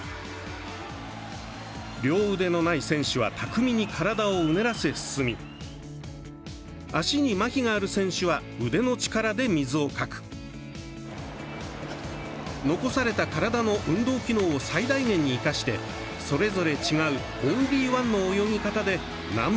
両腕のない選手は巧みに体をうねらせ進み足にまひがある選手は腕の力で水をかく。残された体の運動機能を最大限に生かしてそれぞれ違うオンリーワンの泳ぎ方でナンバーワンを目指します！